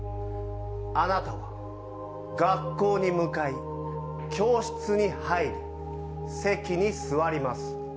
あなたは学校に向かい教室に入り、席に座ります。